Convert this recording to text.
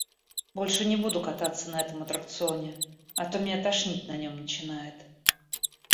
Больше не буду кататься на этом аттракционе, а то меня тошнить на нём начинает.